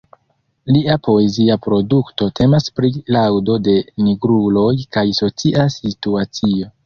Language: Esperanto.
Lia poezia produkto temas pri laŭdo de "nigruloj kaj socia situacio".